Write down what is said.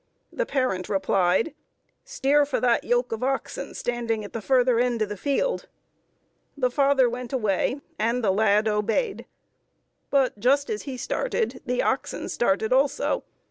The parent replied, "Steer for that yoke of oxen standing at the further end of the field." The father went away, and the lad obeyed. But just as he started, the oxen started also.